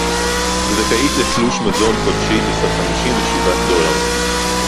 זכאית לתלוש מזון חודשי בסך חמישים ושבעה דולר